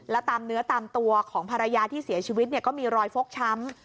แล้วตามเนื้อตามตัวของภรรยาที่เสียชีวิตก็มีรอยฟกช้ำ